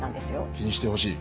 気にしてほしい。